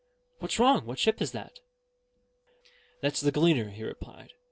"What's wrong? What ship is that?" "That's the Gleaner," he replied.